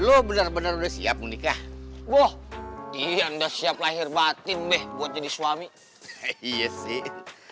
lo bener bener udah siap nikah wah iya udah siap lahir batin deh buat jadi suami iya sih